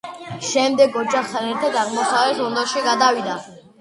შემდეგ ოჯახთან ერთად აღმოსავლეთ ლონდონში გადავიდა.